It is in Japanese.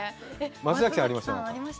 松崎さん、ありました？